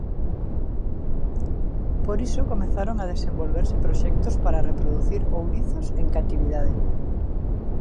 Por iso comezaron a desenvolverse proxectos para reproducir ourizos en catividade.